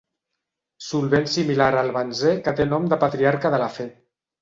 Solvent similar al benzè que té nom de patriarca de la fe.